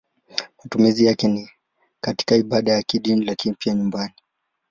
Matumizi yake ni katika ibada za kidini lakini pia nyumbani.